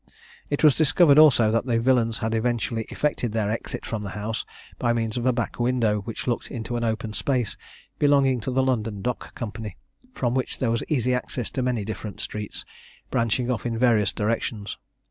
It was discovered, also, that the villains had eventually effected their exit from the house by means of a back window which looked into an open space belonging to the London Dock Company, from which there was easy access to many different streets branching off in various directions.